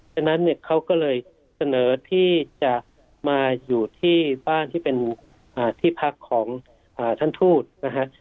ฉะนั้นเนี่ยเขาก็เลยเสนอที่จะมาอยู่ที่บ้านที่เป็นที่พักของท่านทูตนะฮะ